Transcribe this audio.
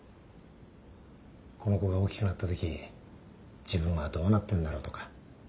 この子が大きくなったとき自分はどうなってんだろうとか